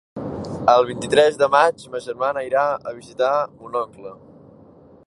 El vint-i-tres de maig ma germana irà a visitar mon oncle.